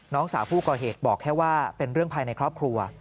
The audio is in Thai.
น้องสาวผู้ก่อเหตุบอกแค่ว่าเป็นเรื่องภายในครอบครัว